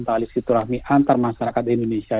talisiturahmi antar masyarakat indonesia